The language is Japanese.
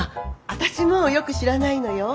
私もよく知らないのよ。